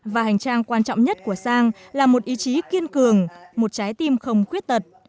và hành trang quan trọng nhất của sang là một ý chí kiên cường một trái tim không khuyết tật